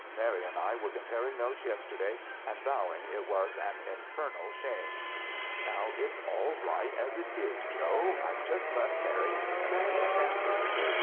Mary and I were comparing notes yesterday, and vowing it was an infernal shame." "Now, it's all right as it is, Joe. I've just left Mary, and I understand perfectly.